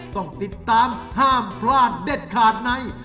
ต้องติดตามห้ามพลาดเด็ดขาดใน